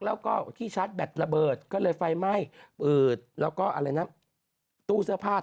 นางคิดแบบว่าไม่ไหวแล้วไปกด